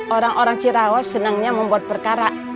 orang orang cirawas senangnya membuat perkara